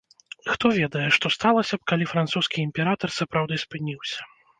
Хто ведае, што сталася б, каб французскі імператар сапраўды спыніўся?